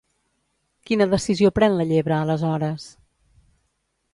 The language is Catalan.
Quina decisió pren la llebre aleshores?